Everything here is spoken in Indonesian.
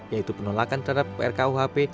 yaitu penolakan terhadap prkuhp